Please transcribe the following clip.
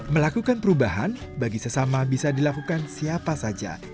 melakukan perubahan bagi sesama bisa dilakukan siapa saja